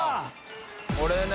これね。